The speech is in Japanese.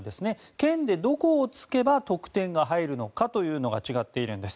剣でどこを突けば得点が入るのかというのが違っているんです。